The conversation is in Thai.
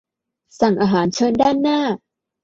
สั่งอาหารเชิญด้านหน้า